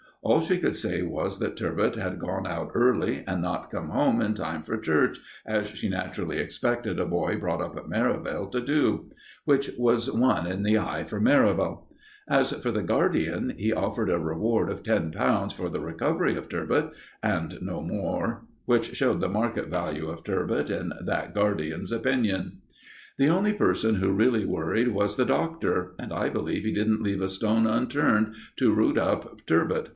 All she could say was that "Turbot" had gone out early, and not come home in time for church, as she naturally expected a boy brought up at Merivale to do. Which was one in the eye for Merivale. As for the guardian, he offered a reward of ten pounds for the recovery of "Turbot," and no more, which showed the market value of "Turbot" in that guardian's opinion. The only person who really worried was the Doctor, and I believe he didn't leave a stone unturned to rout up "Turbot."